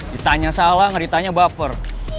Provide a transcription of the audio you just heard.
ditanya salah ngeritanya baper